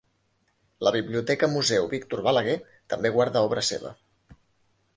La Biblioteca Museu Víctor Balaguer també guarda obra seva.